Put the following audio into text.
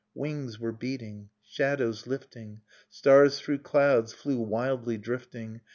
Wings were beating, shadows lifting. Stars through clouds flew wildly drifting.